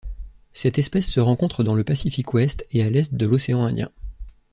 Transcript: Cette espèce se rencontre dans le Pacifique ouest et à l'est de l'océan Indien.